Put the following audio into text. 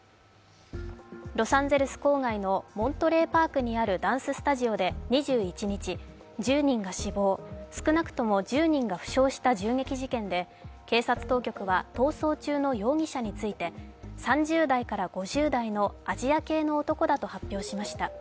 ロサンゼルス郊外のモントレーパークにあるダンススタジオで２１日１０人が死亡少なくとも１０人が負傷した銃撃事件で警察当局は、逃走中の容疑者について３０代から５０代のアジア系の男だと発表しました。